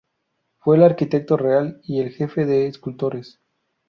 Fue el arquitecto real y el Jefe de escultores.